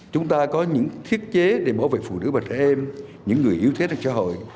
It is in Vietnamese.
chúng ta có những thiết chế để bảo vệ phụ nữ và trẻ em những người yếu thế trong xã hội